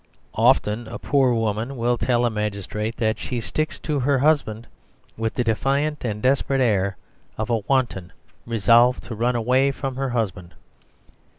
Often a poor woman will tell a magistrate that she sticks to her husband, with the defiant and desperate air of a wanton resolved to run away from her husband.